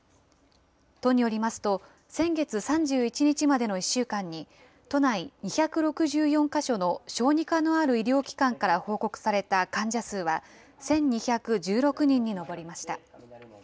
都によりますと、先月３１日までの１週間に、都内２６４か所の小児科のある医療機関から報告された患者数は１２１６人に上りました。